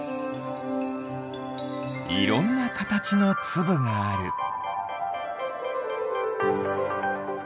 いろんなカタチのつぶがある。